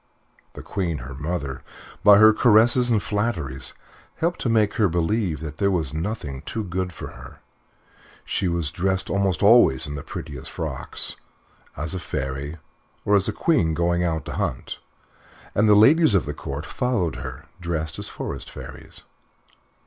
The Queen, her mother, by her caresses and flatteries, helped to make her believe that there was nothing too good for her. She was dressed almost always in the prettiest frocks, as a fairy, or as a queen going out to hunt, and the ladies of the Court followed her dressed as forest fairies.